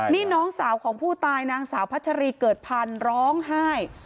นี่น้องสาวของผู้ตายนางสาวพัชรีเกิดพันธ์ร้องไห้